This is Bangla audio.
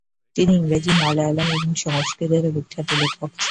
তিনি ইংরেজি, মালায়ালম এবং সংস্কৃতেরও বিখ্যাত লেখক ছিলেন।